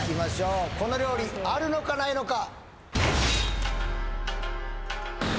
この料理あるのかないのか？